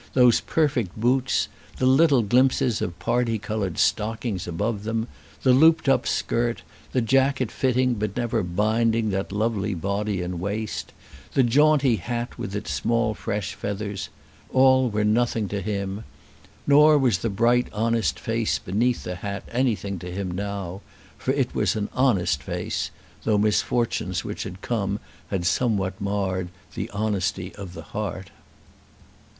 Those perfect boots, the little glimpses of party coloured stockings above them, the looped up skirt, the jacket fitting but never binding that lovely body and waist, the jaunty hat with its small fresh feathers, all were nothing to him. Nor was the bright honest face beneath the hat anything to him now; for it was an honest face, though misfortunes which had come had somewhat marred the honesty of the heart.